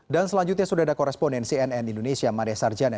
dan selanjutnya sudah ada koresponen cnn indonesia mada sarjana